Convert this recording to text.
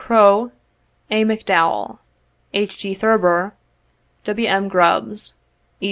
Crow, A. McDowell, H. G. Thurber, Wm. Grubbs, E.